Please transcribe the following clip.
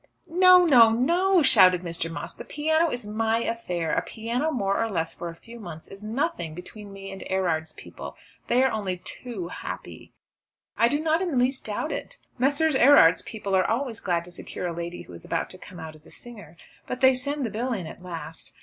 "No, no, no!" shouted Mr. Moss. "The piano is my affair. A piano more or less for a few months is nothing between me and Erard's people. They are only too happy." "I do not in the least doubt it. Messrs. Erard's people are always glad to secure a lady who is about to come out as a singer. But they send the bill in at last."